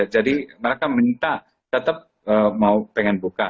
jadi mereka minta tetap mau pengen buka